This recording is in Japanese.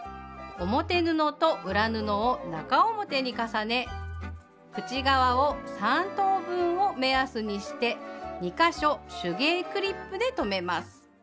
表布と裏布を中表に重ね口側を３等分を目安にして２か所手芸クリップで留めます。